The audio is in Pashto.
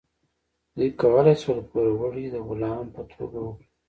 دوی کولی شول پوروړی د غلام په توګه وپلوري.